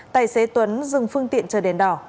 tài xế tuấn dừng phương tiện chờ đèn đỏ